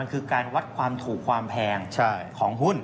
คือการวัดความถูกความแพงของหุ้น